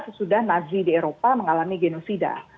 sesudah nazi di eropa mengalami genosida